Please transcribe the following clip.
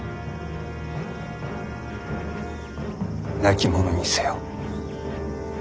亡き者にせよ。